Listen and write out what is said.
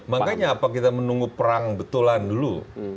makanya apa kita menunggu perang betulan dulu